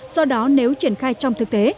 do đó nếu triển khai trong thực tế